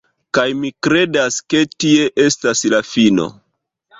Kaj mi kredas ke tie estas la fino